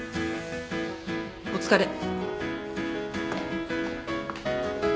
お疲れ。